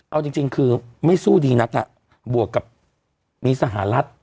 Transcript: เอาจริงจริงคือไม่สู้ดีนะแต่บวกกับนี้สหรัฐ